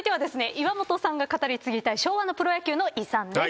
岩本さんが語り継ぎたい昭和のプロ野球の遺産です。